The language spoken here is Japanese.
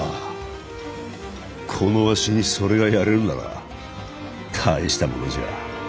このわしにそれがやれるなら大したものじゃ。